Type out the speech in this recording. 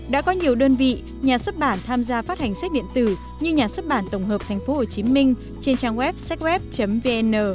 đã có nhiều đơn vị nhà xuất bản tham gia phát hành sách điện tử như nhà xuất bản tổng hợp tp hcm trên trang web serg web vn